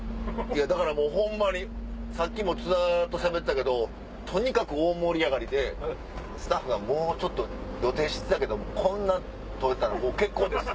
だからホンマにさっきも津田としゃべってたけどとにかく大盛り上がりでスタッフが「予定してたけどこんな撮れたらもう結構です。